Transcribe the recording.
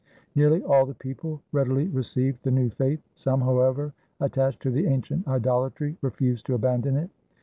Nearly all the people readily received the new faith. Some, however, attached to the ancient idolatry, refused to abandon it.